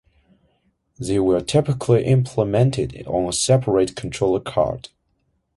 They were typically implemented on a separate controller card.